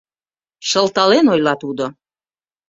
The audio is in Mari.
- шылтален ойла тудо.